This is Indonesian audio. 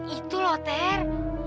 itu loh ter